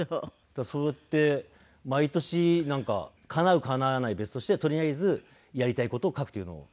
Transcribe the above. だからそうやって毎年かなうかなわないは別としてとりあえずやりたい事を書くというのを。